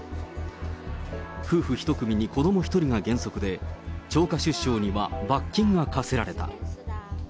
夫婦１組に子ども１人が原則で、超過出生には、罰金が科せられた。